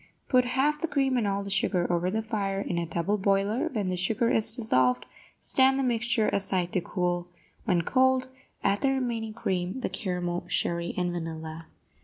Put half the cream and all the sugar over the fire in a double boiler; when the sugar is dissolved, stand the mixture aside to cool; when cold, add the remaining cream, the caramel, sherry and vanilla.